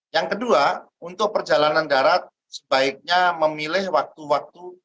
yang kedua untuk perjalanan darat sebaiknya memilih waktu waktu